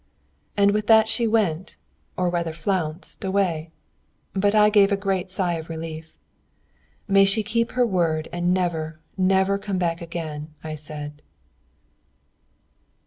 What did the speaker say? And with that she went, or rather flounced, away. But I gave a great sigh of relief. "May she keep her word, and never, never come back again!" I said.